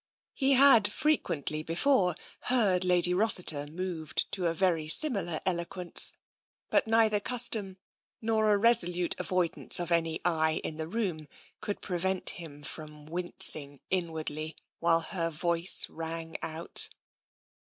He had frequently before heard Lady Rossiter moved to a very similar eloquence, but neither custom nor a resolute avoidance of any eye in the room could pre vent him from wincing inwardly while her voice rang out.